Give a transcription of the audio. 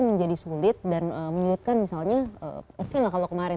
menjadi sulit dan menyulitkan misalnya oke lah kalau kemarin